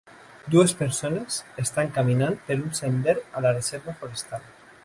Dues persones estan caminant per un sender a la reserva forestal.